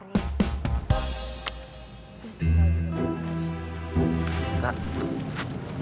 kak ini yang dikasih